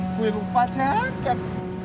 aduh gue lupa jack jack